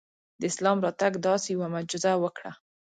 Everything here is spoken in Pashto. د اسلام راتګ داسې یوه معجزه وکړه.